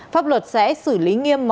pháp luật sẽ xử lý nghiêm